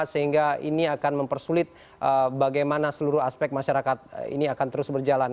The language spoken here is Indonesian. sehingga ini akan mempersulit bagaimana seluruh aspek masyarakat ini akan terus berjalan